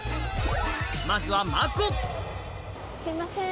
まずはすいません。